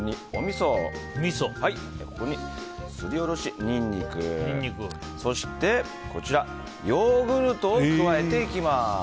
そして、すりおろしニンニクそしてヨーグルトを加えていきます。